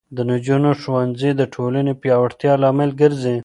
د نجونو ښوونځی د ټولنې پیاوړتیا لامل ګرځي.